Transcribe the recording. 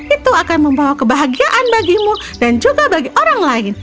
itu akan membawa kebahagiaan bagimu dan juga bagi orang lain